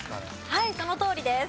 はいそのとおりです。